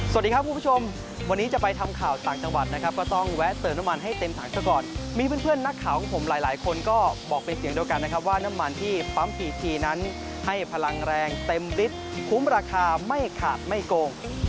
สวัสดีครับคุณผู้ชมวันนี้จะไปทำข่าวต่างจังหวัดนะครับก็ต้องแวะเติมน้ำมันให้เต็มถังซะก่อนมีเพื่อนนักข่าวของผมหลายหลายคนก็บอกเป็นเสียงเดียวกันนะครับว่าน้ำมันที่ปั๊มพีทีนั้นให้พลังแรงเต็มฤทธิ์คุ้มราคาไม่ขาดไม่โกง